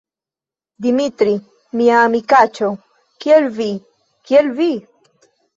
Dimitri, mia amikaĉo, kiel vi? Kiel vi?